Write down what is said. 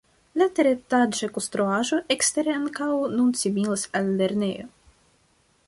La teretaĝa konstruaĵo ekstere ankaŭ nun similas al lernejo.